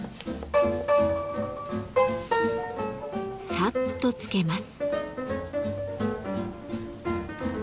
サッとつけます。